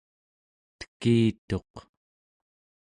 tekituq